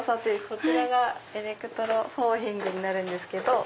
こちらがエレクトロフォーミングになるんですけど。